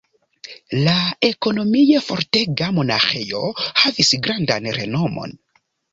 La ekonomie fortega monaĥejo havis grandan renomon.